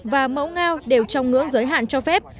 và mẫu ngao đều trong ngưỡng giới hạn cho phép